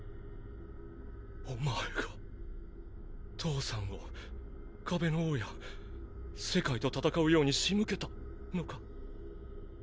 お前が父さんを壁の王や世界と戦うように仕向けたのか？